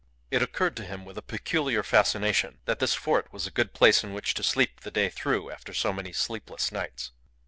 It occurred to him with a peculiar fascination that this fort was a good place in which to sleep the day through after so many sleepless nights.